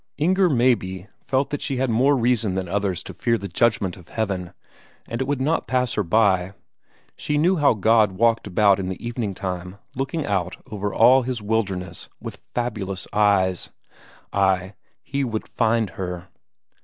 Inger, maybe, felt that she had more reason than others to fear the judgment of Heaven, and it would not pass her by; she knew how God walked about in the evening time looking out over all His wilderness with fabulous eyes; ay, He would find her.